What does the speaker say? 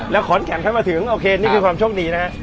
แล้วขอนแก่นเข้ามาถึงโอเคนี่คือความโชคดีนะฮะ